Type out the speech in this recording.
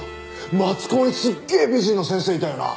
松高にすっげえ美人の先生いたよな？